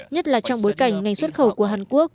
nhất là trong bối cảnh ngành xuất khẩu của hàn quốc